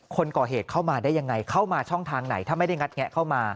คนก่อเหตุเข้ามาได้ยังไงเข้ามาช่องทางไหนถ้าไม่ได้งัดแงะเข้ามา